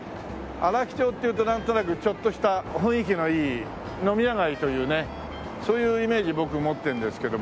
荒木町っていうとなんとなくちょっとした雰囲気のいい飲み屋街というねそういうイメージ僕持ってんですけどもね。